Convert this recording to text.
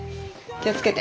気を付けて。